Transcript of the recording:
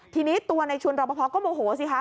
ทีนี้ตัวในชุนรอปภก็โมโหสิคะ